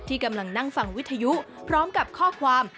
กำลังนั่งฟังวิทยุพร้อมกับข้อความ